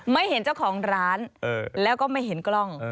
ไม่เห็นเจ้าของร้านแล้วก็ไม่เห็นกล้อง